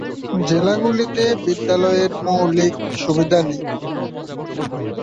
জেলাগুলিতে বিদ্যালয়ের মৌলিক সুবিধা নেই।